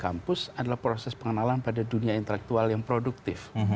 kampus adalah proses pengenalan pada dunia intelektual yang produktif